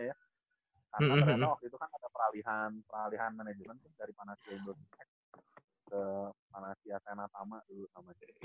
karena pada waktu itu kan ada peralihan peralihan manajemen tuh dari panasya indonesia ke panasya senatama dulu sama cdi